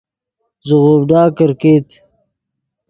زیغوڤڈا کرکیت